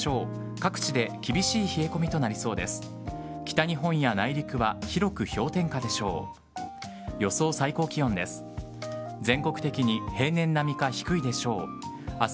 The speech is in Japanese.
各地で厳しい冷え込みとなりそうです。